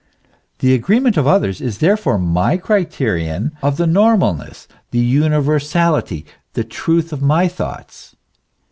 The agreement of others is therefore my criterion of the normal ness, the universality, the truth of my thoughts.